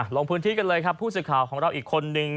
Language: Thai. ลงพื้นที่กันเลยครับผู้สื่อข่าวของเราอีกคนนึง